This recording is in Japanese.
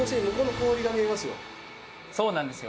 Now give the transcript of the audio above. そうなんですよ。